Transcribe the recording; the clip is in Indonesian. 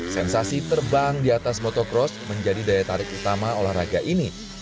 sensasi terbang di atas motocross menjadi daya tarik utama olahraga ini